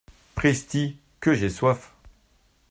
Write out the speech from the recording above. Pristi, que j’ai soif !…